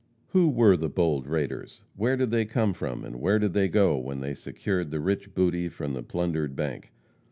Who were the bold raiders? Where did they come from and where did they go when they secured the rich booty from the plundered bank?